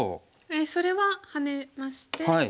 それはハネまして。